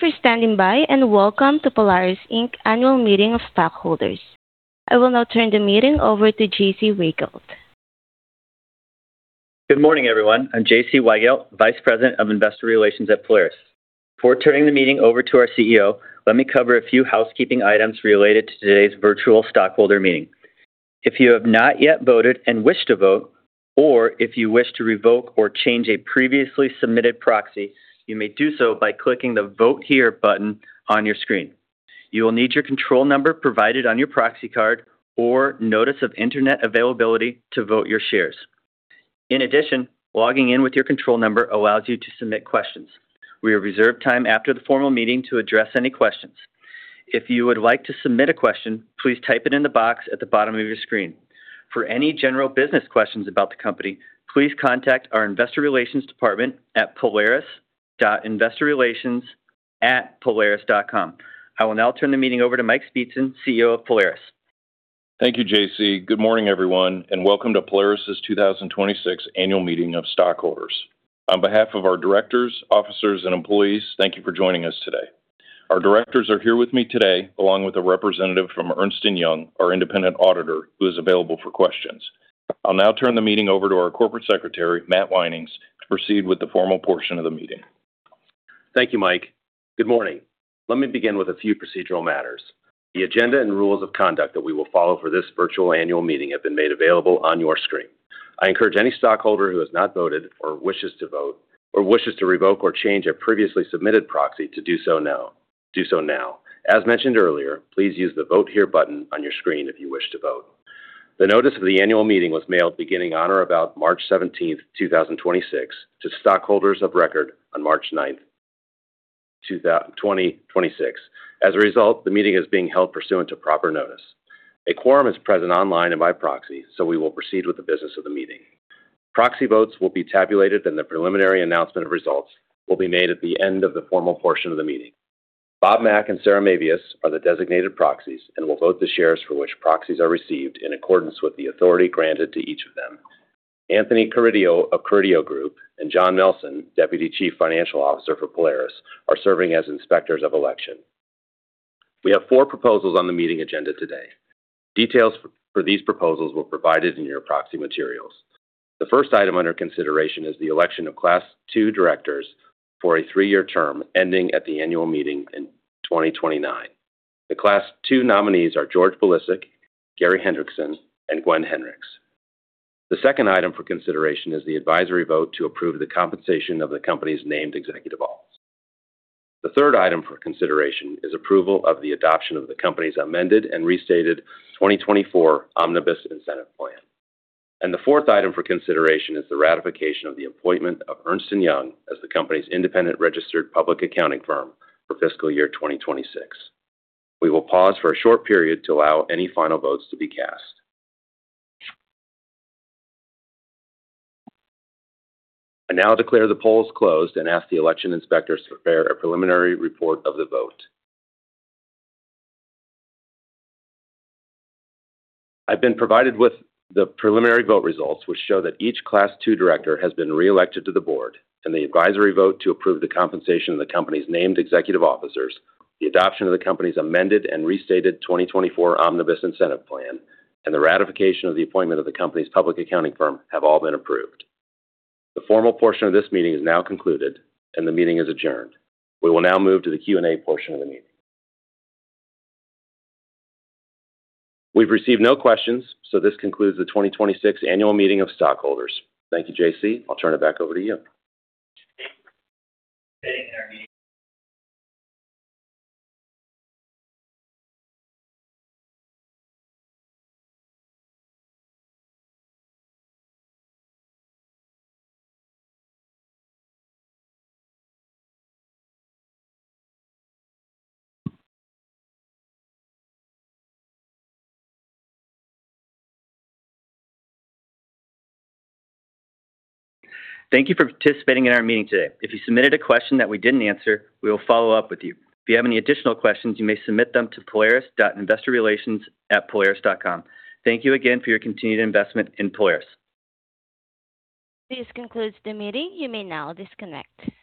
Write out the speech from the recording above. Thank you for standing by, and welcome to Polaris Inc. Annual Meeting of Stockholders. I will now turn the meeting over to J.C. Weigelt. Good morning, everyone. I'm J.C. Weigelt, Vice President of Investor Relations at Polaris. Before turning the meeting over to our CEO, let me cover a few housekeeping items related to today's virtual stockholder meeting. If you have not yet voted and wish to vote, or if you wish to revoke or change a previously submitted proxy, you may do so by clicking the Vote Here button on your screen. You will need your control number provided on your proxy card or notice of internet availability to vote your shares. In addition, logging in with your control number allows you to submit questions. We have reserved time after the formal meeting to address any questions. If you would like to submit a question, please type it in the box at the bottom of your screen. For any general business questions about the company, please contact our investor relations department at polaris.investorrelations@polaris.com. I will now turn the meeting over to Mike Speetzen, CEO of Polaris. Thank you, J.C. Good morning, everyone, and welcome to Polaris' 2026 annual meeting of stockholders. On behalf of our directors, officers, and employees, thank you for joining us today. Our directors are here with me today, along with a representative from Ernst & Young, our independent auditor, who is available for questions. I'll now turn the meeting over to our Corporate Secretary, Matt Winings, to proceed with the formal portion of the meeting. Thank you, Mike. Good morning. Let me begin with a few procedural matters. The agenda and rules of conduct that we will follow for this virtual annual meeting have been made available on your screen. I encourage any stockholder who has not voted or wishes to vote or wishes to revoke or change a previously submitted proxy to do so now. As mentioned earlier, please use the Vote Here button on your screen if you wish to vote. The notice of the annual meeting was mailed beginning on or about March 17th, 2026 to stockholders of record on March 9th, 2026. As a result, the meeting is being held pursuant to proper notice. A quorum is present online and by proxy, so we will proceed with the business of the meeting. Proxy votes will be tabulated, and the preliminary announcement of results will be made at the end of the formal portion of the meeting. Rob Mack and Sarah Maveus are the designated proxies and will vote the shares for which proxies are received in accordance with the authority granted to each of them. Tony Carideo of Carideo Group and John Nelson, Deputy Chief Financial Officer, Polaris, are serving as inspectors of election. We have four proposals on the meeting agenda today. Details for these proposals were provided in your proxy materials. The first item under consideration is the election of Class 2 directors for a three-year term ending at the annual meeting in 2029. The Class 2 nominees are George W. Bilicic, Gary E. Hendrickson, and Gwenne Henricks. The second item for consideration is the advisory vote to approve the compensation of the company's named executive officers. The third item for consideration is approval of the adoption of the company's amended and restated 2024 Omnibus Incentive Plan. The fourth item for consideration is the ratification of the appointment of Ernst & Young as the company's independent registered public accounting firm for fiscal year 2026. We will pause for a short period to allow any final votes to be cast. I now declare the polls closed and ask the election inspectors to prepare a preliminary report of the vote. I've been provided with the preliminary vote results, which show that each Class 2 director has been reelected to the board and the advisory vote to approve the compensation of the company's named executive officers, the adoption of the company's amended and restated 2024 Omnibus Incentive Plan, and the ratification of the appointment of the company's public accounting firm have all been approved. The formal portion of this meeting is now concluded. The meeting is adjourned. We will now move to the Q&A portion of the meeting. We've received no questions. This concludes the 2026 annual meeting of stockholders. Thank you, J.C. I'll turn it back over to you. Thank you for participating in our meeting today. If you submitted a question that we didn't answer, we will follow up with you. If you have any additional questions, you may submit them to polaris.investorrelations@polaris.com. Thank you again for your continued investment in Polaris. This concludes the meeting. You may now disconnect.